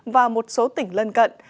và một số tỉnh lân cận